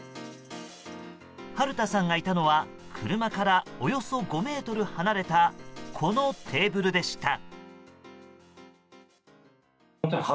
春田さんがいたのは車から、およそ５ｍ離れたこのテーブルでした。